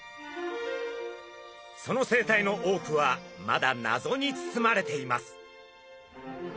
その生態の多くはまだ謎に包まれています。